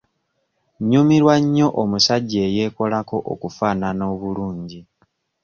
Nnyumirwa nnyo omusajja eyeekolako okufaanana obulungi.